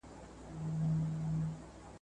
په کندهار کي د صنعت لپاره امنیت څنګه ښه کېږي؟